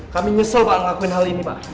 kami nyesel pak ngelakuin hal ini pak